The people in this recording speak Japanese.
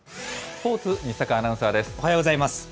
スポーツ、おはようございます。